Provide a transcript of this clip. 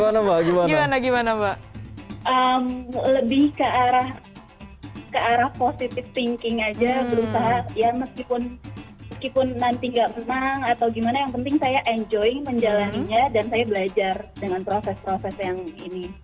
berusaha ya meskipun nanti gak menang atau gimana yang penting saya enjoy menjalannya dan saya belajar dengan proses proses yang ini